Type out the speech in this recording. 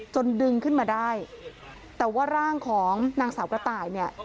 ดึงขึ้นมาได้แต่ว่าร่างของนางสาวกระต่ายเนี่ย